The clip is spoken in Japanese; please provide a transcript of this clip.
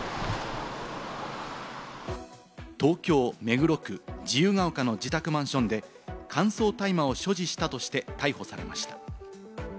東京・目黒区自由が丘の自宅マンションで、乾燥大麻を所持したとして逮捕されました。